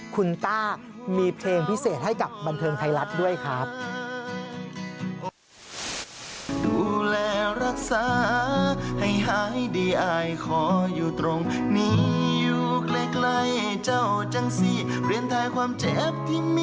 คุณต้ามีเพลงพิเศษให้กับบันเทิงไทยรัฐด้วยครับ